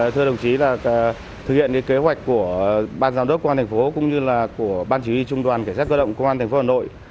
thưa đồng chí thực hiện kế hoạch của ban giám đốc công an thánh phục hồn nội cũng như ban chỉ huy trung đoàn cảnh sát cơ động công an thánh phục hồn nội